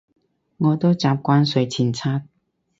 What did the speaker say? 我都習慣睡前刷